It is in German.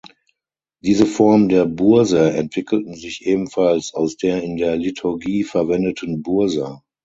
Diese Form der Burse entwickelten sich ebenfalls aus der in der Liturgie verwendeten Bursa.